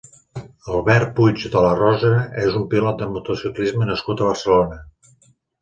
Albert Puig de la Rosa és un pilot de motociclisme nascut a Barcelona.